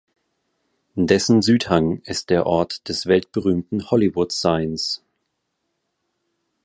Dessen Südhang ist der Ort des weltberühmten Hollywood Signs.